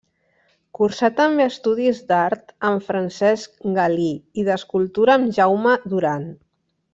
Cursà també estudis d'art amb Francesc Galí i d'escultura amb Jaume Duran.